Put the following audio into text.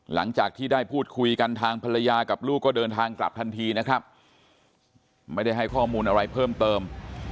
หลังจากที่ได้พูดคุยกันทางภรรยากับลูกก็เดินทางกลับทันทีนะครับไม่ได้ให้ข้อมูลอะไรเพิ่มเติม